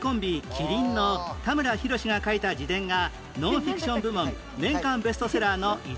麒麟の田村裕が書いた自伝がノンフィクション部門年間ベストセラーの１位に